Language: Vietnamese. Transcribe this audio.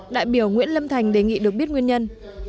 đại biểu nguyễn lâm thành đề nghị được biết nguyên nhân